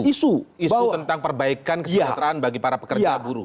isu tentang perbaikan kesejahteraan bagi para pekerja buruh